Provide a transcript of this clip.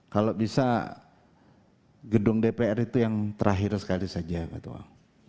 kalau bisa gedung dpr itu yang terakhir sekali saja pak toa